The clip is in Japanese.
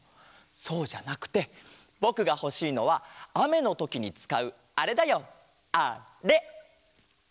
そうじゃなくてぼくがほしいのはあめのときにつかうあれだよあれ！